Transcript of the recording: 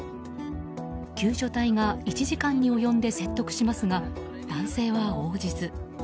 救助隊が１時間に及んで説得しますが男性は応じず。